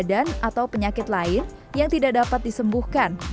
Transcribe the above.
pns juga mendapatkan penyakit lain yang tidak dapat disembuhkan